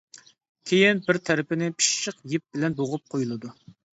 كېيىن بىر تەرىپىنى پىششىق يىپ بىلەن بوغۇپ قويۇلىدۇ.